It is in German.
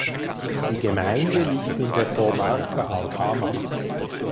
Die Gemeinde liegt in der Comarca Alhama.